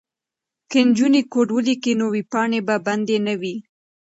که نجونې کوډ ولیکي نو ویبپاڼې به بندې نه وي.